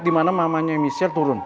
dimana mamanya michelle turun